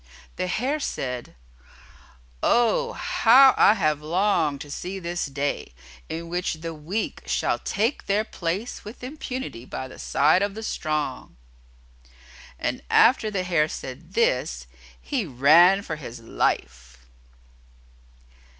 The Hare said, "Oh, how I have longed to see this day, in which the weak shall take their place with impunity by the side of the strong." And after the Hare said this, he ran for his life.